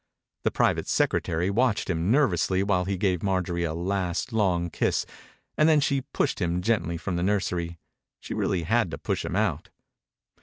The private secretary watched him nervously while he gave Marjorie a last, long kiss, and then she pushed him gently from the nursery. She really had to push him out.